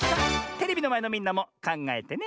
テレビのまえのみんなもかんがえてね。